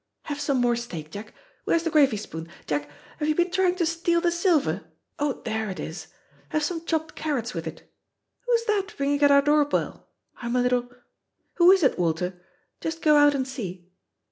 Have some more steak, Jack. Where's the gravy spoon? Jack, have you been trying to steal the silver? Oh, there it is. Have some chopped carrots with it. Who's that ringing at our door bell? I'm a little Who is it, Walter? Just go out and see.